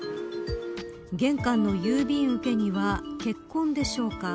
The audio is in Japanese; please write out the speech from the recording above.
玄関の郵便受けには血痕でしょうか。